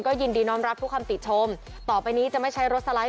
ยินดีน้องรับทุกคำติชมต่อไปนี้จะไม่ใช้รถสไลด์